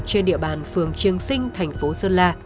trên địa bàn phường triêng sinh thành phố sơn la